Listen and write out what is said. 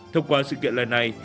thông qua sự kiện này